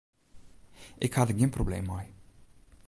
Ik ha der gjin probleem mei.